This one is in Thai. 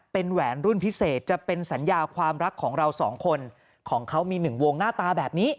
เป็นแหวนรุ่นพิเศษจะเป็นสัญญาความรักของเราสองคนของเขามีหนึ่งวงหน้าตาแบบนี้